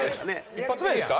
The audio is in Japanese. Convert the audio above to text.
一発目ですか？